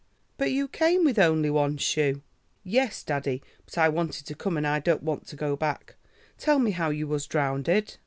"But you came with only one shoe." "Yes, daddie, but I wanted to come and I don't want to go back. Tell me how you was drownded."